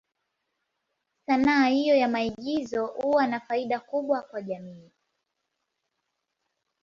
Sanaa hiyo ya maigizo huwa na faida kubwa kwa jamii.